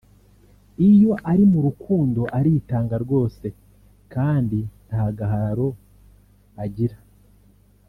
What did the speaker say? iyo ari mu rukundo aritanga rwose kandi ntagahararo agira